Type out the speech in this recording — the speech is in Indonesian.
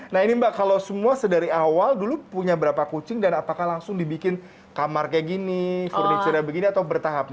nah ini mbak kalau semua sedari awal dulu punya berapa kucing dan apakah langsung dibikin kamar kayak gini furniture nya begini atau bertahap